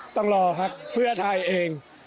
ต้องรอพักเพื่อไทยเอง